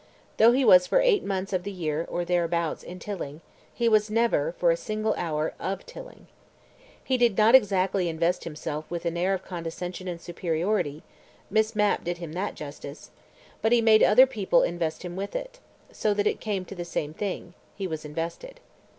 Though he was for eight months of the year, or thereabouts, in Tilling, he was never, for a single hour, OF Tilling. He did not exactly invest himself with an air of condescension and superiority Miss Mapp did him that justice but he made other people invest him with it, so that it came to the same thing: he was invested.